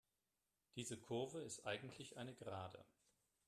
Diese Kurve ist eigentlich eine Gerade.